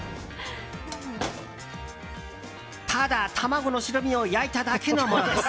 ただ、卵の白身を焼いただけのものです。